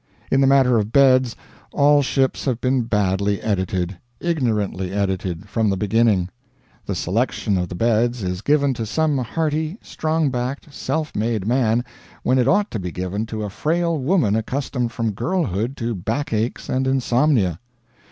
In the matter of beds all ships have been badly edited, ignorantly edited, from the beginning. The selection of the beds is given to some hearty, strong backed, self made man, when it ought to be given to a frail woman accustomed from girlhood to backaches and insomnia.